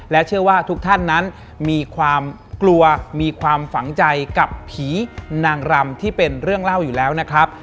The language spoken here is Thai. เชื่อว่าทุกท่านนั้นมีความกลัวมีความฝังใจกับผีนางรำที่เป็นเรื่องเล่าอยู่แล้วนะครับ